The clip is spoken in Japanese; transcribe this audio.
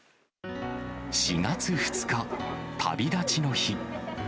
４月２日、旅立ちの日。